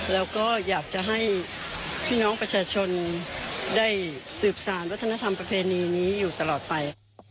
แล้วก็อยากจะให้พี่น้องประชาชนได้สืบสารวัฒนธรรมประเพณีนี้อยู่ตลอดไป